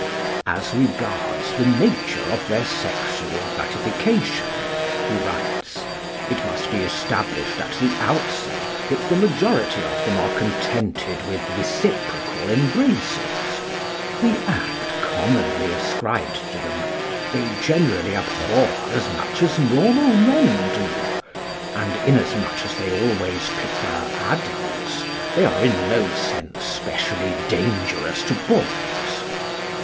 "As regards the nature of their sexual gratification," he writes, "it must be established at the outset that the majority of them are contented with reciprocal embraces; the act commonly ascribed to them they generally abhor as much as normal men do; and, inasmuch as they always prefer adults, they are in no sense specially dangerous to boys."